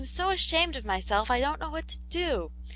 91 so ashamed of myself I don't know what to do